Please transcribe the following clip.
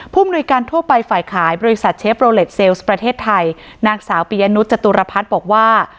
มนุยการทั่วไปฝ่ายขายบริษัทเชฟโรเล็ตเซลล์ประเทศไทยนางสาวปียนุษยจตุรพัฒน์บอกว่า